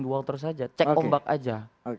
di walter saja cek ombak saja